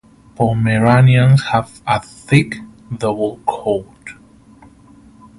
Pomeranians have a thick, double coat.